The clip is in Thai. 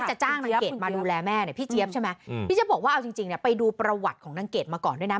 จะจ้างนางเกดมาดูแลแม่เนี่ยพี่เจี๊ยบใช่ไหมพี่เจี๊ยบอกว่าเอาจริงเนี่ยไปดูประวัติของนางเกดมาก่อนด้วยนะ